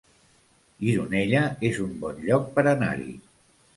Gironella es un bon lloc per anar-hi